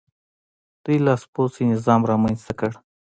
دوی لاسپوڅی نظام رامنځته کړ.